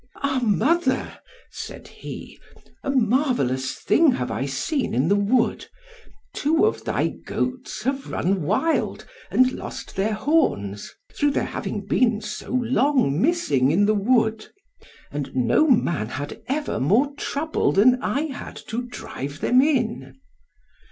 "Ah, mother," said he, "a marvellous thing have I seen in the wood; two of thy goats have run wild, and lost their horns; through their having been so long missing in the wood. And no man had ever more trouble than I had to drive them in."